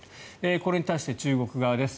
これに対して中国側です。